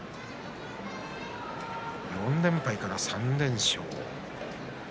４連敗から３連勝。